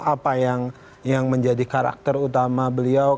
apa yang menjadi karakter utama beliau